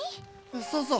そうそう。